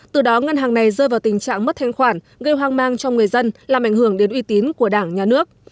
từ đó ngân hàng này rơi vào tình trạng mất thanh khoản gây hoang mang cho người dân làm ảnh hưởng đến uy tín của đảng nhà nước